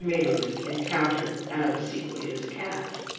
Maeterlinck encounter an obsequious cat?